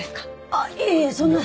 あっいえいえそんな！